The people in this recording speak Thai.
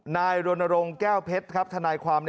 นายรณรงค์แก้วเพชรครับทนายความ